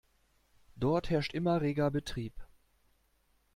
Dort herrscht immer reger Betrieb.